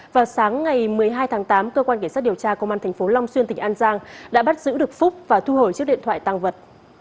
vào sáng ngày một mươi hai tháng tám cơ quan cảnh sát điều tra công an tp long xuyên tỉnh an giang đã bắt giữ được phúc và thu hồi chiếc điện thoại tăng vật